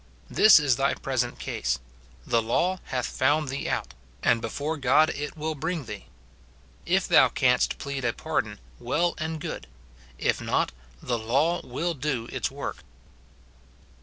This is thy present SIN IN BELIEVERS. 249 case ; the law hath found thee out, and before God it •will bi'ing thee. If thou canst plead a pardon, well and good ; if not, the law will do its work.